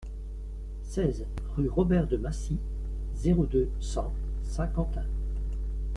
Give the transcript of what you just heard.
seize rue Robert de Massy, zéro deux, cent Saint-Quentin